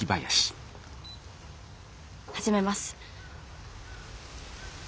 始めます。